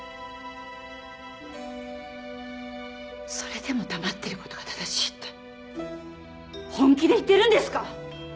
それでも黙ってることが正しいって本気で言ってるんですか